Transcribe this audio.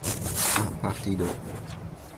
ha partido